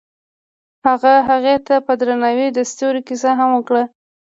هغه هغې ته په درناوي د ستوري کیسه هم وکړه.